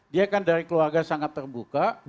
dia kan dari keluarga sangat terbuka